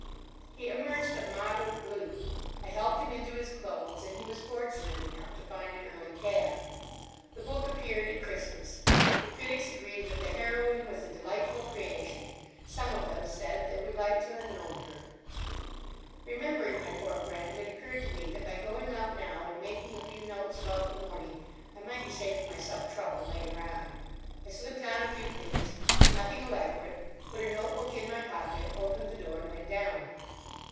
He emerged a mottled blue. I helped him into his clothes, and he was fortunate enough to find an early cab. The book appeared at Christmas. The critics agreed that the heroine was a delightful creation. Some of them said they would like to have known her. Remembering my poor friend, it occurred to me that by going out now and making a few notes about the morning, I might be saving myself trouble later on. I slipped on a few things—nothing elaborate—put a notebook in my pocket, opened the door and went down.